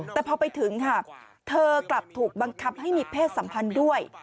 แต่พอไปถึงค่ะเธอกลับถูกบังคับให้มีเพศสัมพันธ์ด้วย